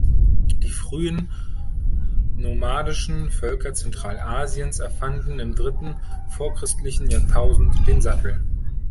Die frühen nomadischen Völker Zentralasiens erfanden im dritten vorchristlichen Jahrtausend den Sattel.